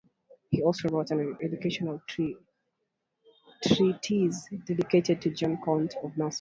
He also wrote an educational treatise dedicated to John, Count of Nassau.